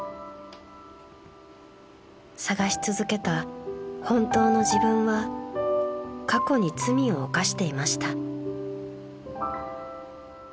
［さがし続けた本当の自分は過去に罪を犯していました］